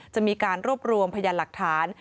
จะมีการรวบรวมพยานหลักฐาน